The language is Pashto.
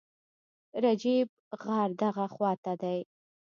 رجیب، غار دغه خواته دی.